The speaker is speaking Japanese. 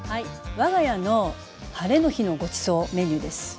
我が家のハレの日のごちそうメニューです。